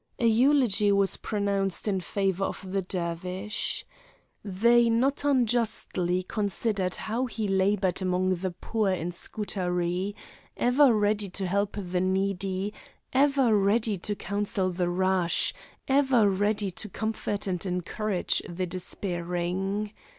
A eulogy was pronounced in favor of the Dervish. They not unjustly considered how he had labored among the poor in Scutari; ever ready to help the needy, ever ready to counsel the rash, ever ready to comfort and encourage the despairing.